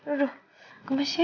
aduh gemes ya ya